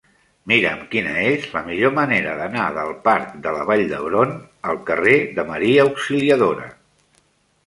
Mira'm quina és la millor manera d'anar del parc de la Vall d'Hebron al carrer de Maria Auxiliadora.